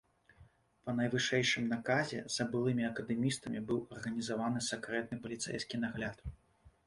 Па найвышэйшым наказе за былымі акадэмістамі быў арганізаваны сакрэтны паліцэйскі нагляд.